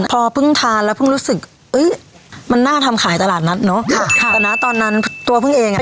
พอเพิ่งทานแล้วเพิ่งรู้สึกเอ้ยมันน่าทำขายตลาดนัดเนอะค่ะแต่นะตอนนั้นตัวเพิ่งเองอ่ะ